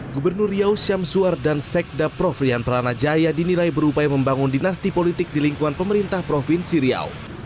gubernur riau syamsuar dan sekda prof rihan pranajaya dinilai berupaya membangun dinasti politik di lingkungan pemerintah provinsi riau